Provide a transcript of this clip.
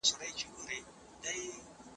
د ټولنیزو ډلو جوړښت وڅېړه.